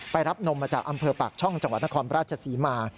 รับนมมาจากอำเภอปากช่องจังหวัดนครราชศรีมา